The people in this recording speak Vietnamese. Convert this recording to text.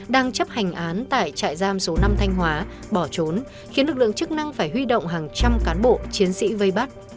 đang chấp hành án tại trại giam số năm thanh hóa bỏ trốn khiến lực lượng chức năng phải huy động hàng trăm cán bộ chiến sĩ vây bắt